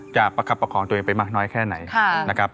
จะประกับประคองตัวเองไปมากน้อยแค่ไหน